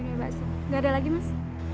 iya mbak nggak ada lagi mas